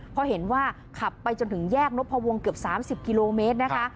เพราะเห็นว่าขับไปจนถึงแยกนพวงเกือบ๓๐กิโลเมตรนะคะ